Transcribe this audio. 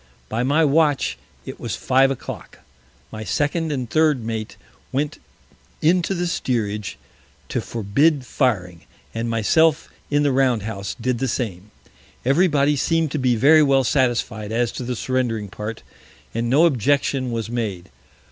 By my Watch it was Five o' Clock. My Second and Third Mate went in to the Steerage to forbid firing, and myself in the Round House, did the same. Every Body seem'd to be very well satisfied as to the surrendering Part, and no Objection was made.